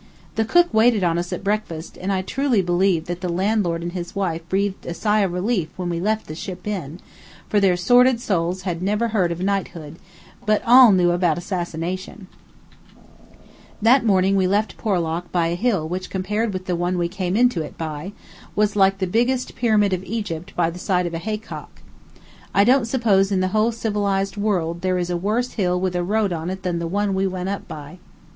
The cook waited on us at breakfast, and I truly believe that the landlord and his wife breathed a sigh of relief when we left the Ship Inn, for their sordid souls had never heard of knighthood, but knew all about assassination. [Illustration: "Rise, Sir Jane Puddle"] That morning we left Porlock by a hill which compared with the one we came into it by, was like the biggest Pyramid of Egypt by the side of a haycock. I don't suppose in the whole civilized world there is a worse hill with a road on it than the one we went up by.